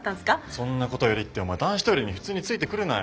「そんなことより」ってお前男子トイレに普通についてくるなよ。